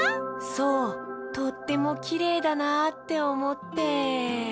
そうとってもきれいだなっておもって。